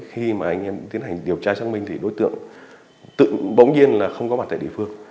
khi mà anh em tiến hành điều tra xác minh thì đối tượng tự bỗng nhiên là không có mặt tại địa phương